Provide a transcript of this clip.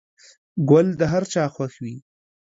گل د هر چا خوښ وي.